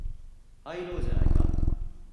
入ろうじゃないか